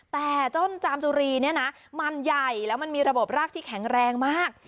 แต่ต้นจามจุรีเนี่ยนะมันใหญ่แล้วมันมีระบบรากที่แข็งแรงมาก